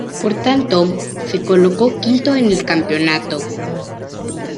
Por tanto, se colocó quinto en el campeonato.